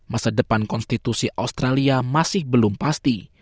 masa depan konstitusi australia masih belum pasti